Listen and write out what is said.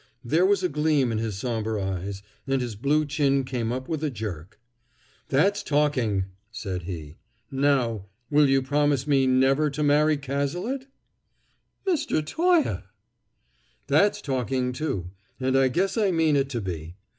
There was a gleam in his somber eyes, and his blue chin came up with a jerk. "That's talking!" said he. "Now will you promise me never to marry Cazalet?" "Mr. Toye!" "That's talking, too, and I guess I mean it to be.